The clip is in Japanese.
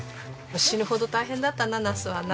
死ぬほど大変だったなナスはな。